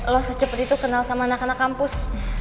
lo secepat itu kenal sama anak anak kampus